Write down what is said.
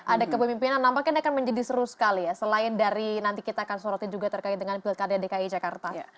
ada kepemimpinan nampaknya ini akan menjadi seru sekali ya selain dari nanti kita akan sorotin juga terkait dengan pilkada dki jakarta